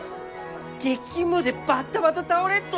激務でバタバタ倒れっと。